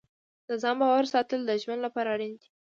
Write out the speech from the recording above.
د ځان باور ساتل د ژوند لپاره اړین دي.